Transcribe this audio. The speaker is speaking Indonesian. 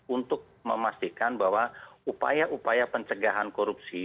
untuk memastikan bahwa upaya upaya pencegahan korupsi